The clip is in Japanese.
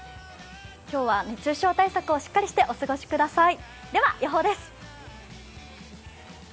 今日は、熱中症対策をしっかりして、お過ごしください。